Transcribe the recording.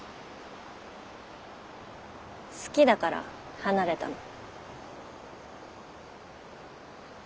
好きだから離れたの。